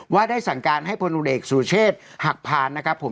ได้สั่งการให้พลุเอกสุเชษฐ์หักพานนะครับผม